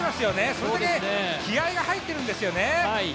それだけ気合いが入ってるんですよね。